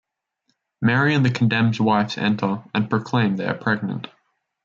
Mary and the condemned's wives enter and proclaim they are pregnant.